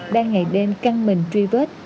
đang ngày đêm căng mình truy vết